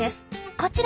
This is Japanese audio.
こちら。